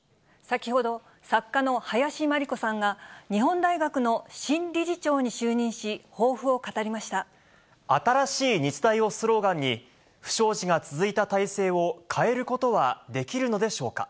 先ほど、作家の林真理子さんが日本大学の新理事長に就任し、抱負を語りま新しい日大をスローガンに、不祥事が続いた体制を変えることはできるのでしょうか。